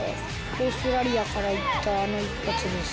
オーストラリアからいったあの一発です。